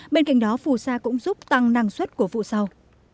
bên cạnh đó phù sa cũng giúp tăng năng suất của vụ sau